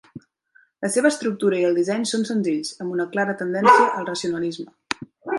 La seva estructura i el disseny són senzills, amb una clara tendència al racionalisme.